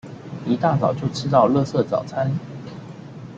一大早就吃到垃圾早餐